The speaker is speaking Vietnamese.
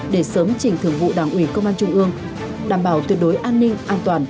để sớm trình thường vụ đảng ủy công an trung ương đảm bảo tuyệt đối an ninh an toàn